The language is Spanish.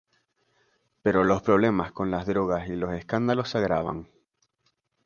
Pero los problemas con las drogas y los escándalos se agravan.